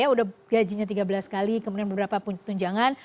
sudah gajinya tiga belas kali kemudian beberapa pun tunjangan